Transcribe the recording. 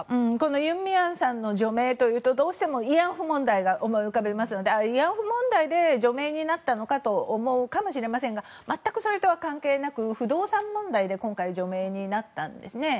ユン・ミヒャンさんの除名といいますとどうしても慰安婦問題を思い浮かべますので慰安婦問題で除名になったのかと思われますが全くそれとは関係なく不動産問題で今回除名になったんですね。